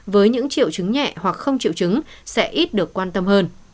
với những triệu chứng nhẹ hoặc không chịu chứng sẽ ít được quan tâm hơn